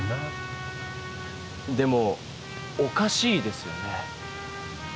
でもおかしいですよね。